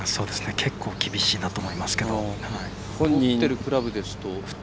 結構、厳しいなと思いますけど。